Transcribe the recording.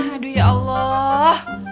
aduh ya allah